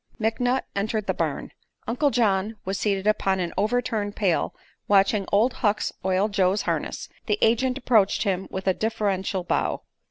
McNutt entered the barn. Uncle John was seated upon an overturned pail watching Old Hucks oil Joe's harness. The agent approached him with a deferential bow.